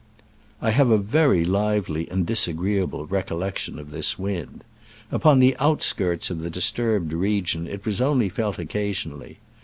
I have a very lively and disagreeable recollection of this wind. Upon the out skirts of the disturbed region it was only felt occasionally.